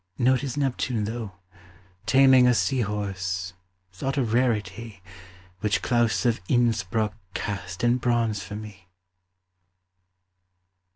Notice Neptune, though, Taming a sea horse, thought a rarity, Which Claus of Innsbruck cast in bronze for me!